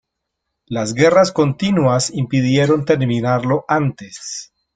Las guerras continuas impidieron terminarlo antes.